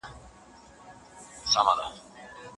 قاتل ورک دی له قاضي له عدالته